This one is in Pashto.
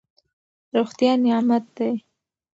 روغتیا نعمت دی.